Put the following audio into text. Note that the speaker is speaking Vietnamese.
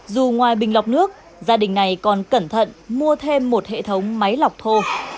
dù ngoài bình lọc nước gia đình này còn cẩn thận mua thêm một hệ thống máy lọc thô